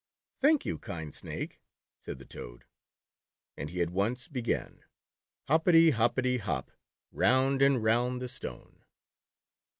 "Thank you, kind Snake," said the Toad, and he at once began. " Hop i ty, hop i ty, 185 1 86 The Toad Boy. hop," round and round the stone.